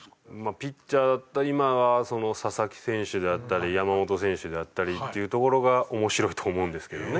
ピッチャーだったら今は佐々木選手であったり山本選手であったりっていうところが面白いと思うんですけどね。